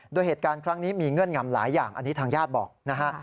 โดยเหตุการณ์ครั้งนี้มีเงื่อนงำหลายอย่างอันนี้ทางญาติบอกนะฮะ